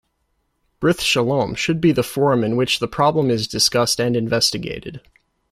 Brith Shalom should be the forum in which the problem is discussed and investigated.